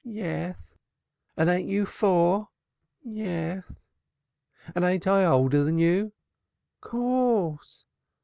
"Yeth." "And ain't you four?" "Yeth." "And ain't I older than you?" "Courth."